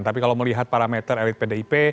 tapi kalau melihat parameter elit pdip